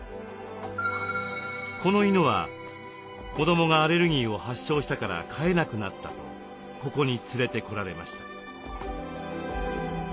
この犬は子どもがアレルギーを発症したから飼えなくなったとここに連れてこられました。